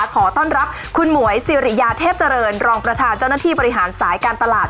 ขอต้อนรับคุณหมวยสิริยาเทพเจริญรองประธานเจ้าหน้าที่บริหารสายการตลาด